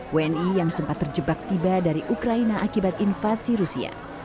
wni yang sempat terjebak tiba dari ukraina akibat invasi rusia